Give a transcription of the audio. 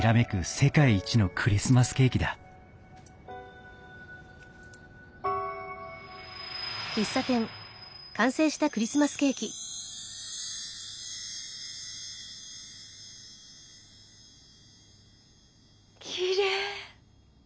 世界一のクリスマスケーキだきれい。